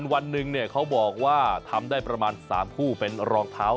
วันหนึ่งเขาบอกว่าทำได้ประมาณ๓คู่เป็นรองเท้า